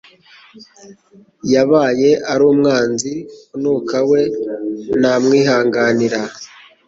Yabaye ari umwanzi untuka we namwihanganira